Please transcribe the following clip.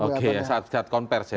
oke saat saat konversi ya